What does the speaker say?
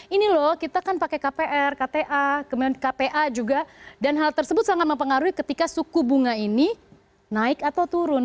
ini loh kita kan pakai kpr kta kemudian kpa juga dan hal tersebut sangat mempengaruhi ketika suku bunga ini naik atau turun